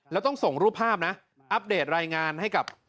แล้วต้องส่งรูปภาพนะอัปเดตรายงานให้กับ